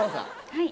はい。